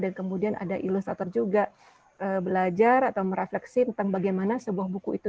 dan kemudian ada ilustrator juga belajar atau merefleksi tentang bagaimana sebuah buku itu